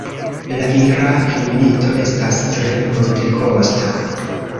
La Irak-milito estas tre multekosta.